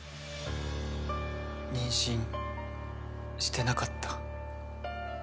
妊娠してなかった？